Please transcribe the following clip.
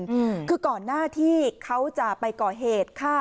อืมคือก่อนหน้าที่เขาจะไปก่อเหตุฆ่า